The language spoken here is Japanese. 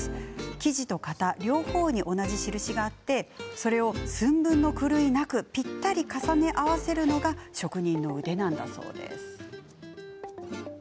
生地と型、両方に同じ印があってそれを寸分の狂いもなくぴったり重ね合わせるのが職人の腕なんだそうです。